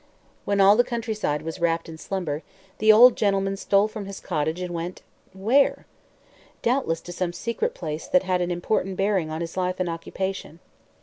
When all the countryside was wrapped in slumber the old gentleman stole from his cottage and went where? Doubtless to some secret place that had an important bearing on his life and occupation.